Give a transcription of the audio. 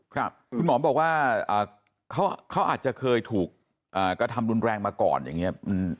คุณหมอบอกว่าเขาอาจจะเคยถูกกระทำรุนแรงมาก่อนอย่างนี้